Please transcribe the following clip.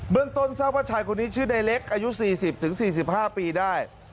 เบื้องต้นเศรษฐ์ว่าชายคนนี้ชื่อนายเล็กอายุสี่สิบถึงสี่สิบห้าปีได้